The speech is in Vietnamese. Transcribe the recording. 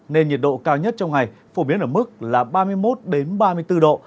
nên nhiệt độ cao nhất trong ngày phổ biến ở mức là ba mươi một ba mươi bốn độ